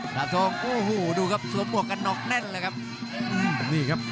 ดาบทงดูครับสวมบวกกันหนอกแน่นเลยครับ